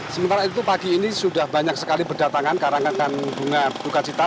sementara itu pagi ini sudah banyak sekali berdatangan karangan karangan bunga bukacita